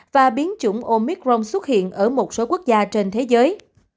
và biến chủng omicron xuất hiện ở một số quốc gia trên thế giới